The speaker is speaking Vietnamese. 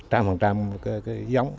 trăm phần trăm giống